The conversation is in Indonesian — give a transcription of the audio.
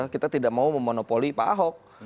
kita tidak mau memonopoli pak ahok